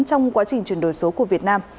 trong quá trình chuyển đổi số của việt nam